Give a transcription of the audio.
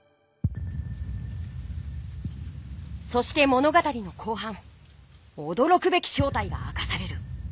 そして物語の後半おどろくべき正体が明かされる。